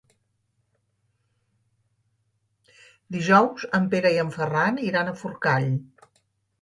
Dijous en Pere i en Ferran iran a Forcall.